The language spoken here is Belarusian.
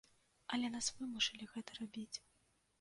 Але нас вымушалі гэта рабіць.